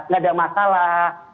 tidak ada masalah